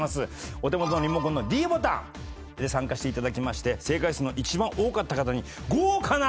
お手元のリモコンのｄボタンで参加していただきまして正解数の一番多かった方に豪華な賞品を差し上げたいと。